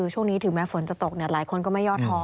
ช่วงนี้ถึงแม้ฝนจะตกหลายคนก็ไม่ยอดท้อ